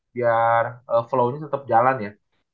biar flow nya tetap jalan ya